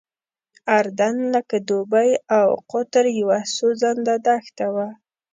اردن لکه دوبۍ او قطر یوه سوځنده دښته وه.